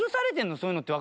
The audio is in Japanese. そういうのって。